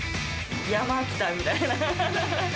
山来たみたいな。